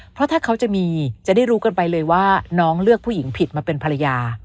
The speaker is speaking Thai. เพราะถ้าเขาจะมีจะได้รู้กันไปเลยว่าน้องเลือกผู้หญิงผิดมาเป็นภรรยา